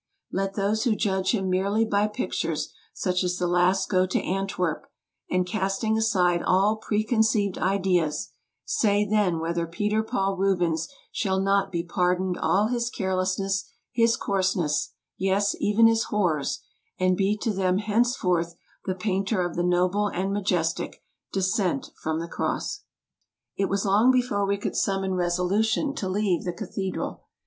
Let those who judge him merely by pictures such as the last go to Antwerp, and, casting aside all preconceived ideas, say then whether Peter Paul Rubens shall not be pardoned all his carelessness, his coarseness — yes, even his horrors — and be to them henceforth the painter of the noble and majestic '' Descent from the Cross. '' It was long before we could summon resolution to leave the cathedral.